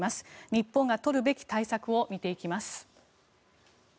日本が取るべき対策を見ていきます。